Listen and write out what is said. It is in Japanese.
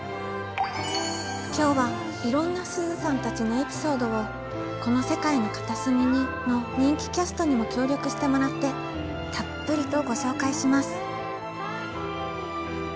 今日はいろんな「すずさん」たちのエピソードを「この世界の片隅に」の人気キャストにも協力してもらってたっぷりとご紹介します。